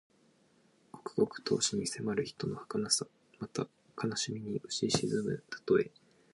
刻々と死に迫る人の命のはかなさ。また、悲しみにうち沈むたとえ。